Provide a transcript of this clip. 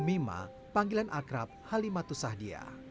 mima panggilan akrab halimatu sahdia